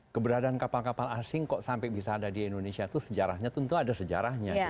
keberadaan kapal kapal asing kok sampai bisa ada di indonesia itu sejarahnya tentu ada sejarahnya